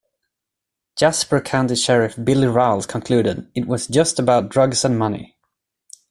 Jasper County Sheriff Billy Rowles concluded, It was just about drugs and money.